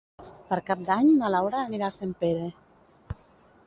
Per Cap d'Any na Laura anirà a Sempere.